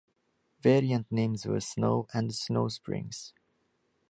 Variant names were "Snow" and "Snow Springs".